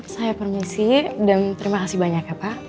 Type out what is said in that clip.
saya permisi dan terima kasih banyak ya pak